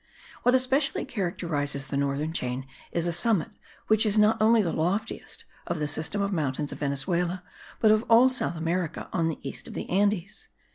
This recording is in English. What especially characterizes the northern chain is a summit which is not only the loftiest of the system of the mountains of Venezuela, but of all South America, on the east of the Andes.